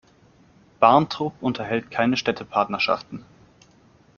Barntrup unterhält keine Städtepartnerschaften.